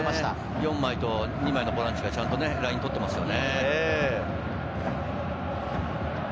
４枚と２枚のボランチがちゃんとスペースをとっていますよね。